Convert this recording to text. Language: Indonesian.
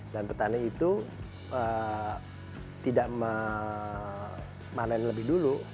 dan petani itu tidak menanam lebih dulu